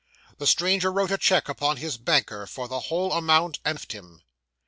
The stranger wrote a cheque upon his banker, for the whole amount, and left him.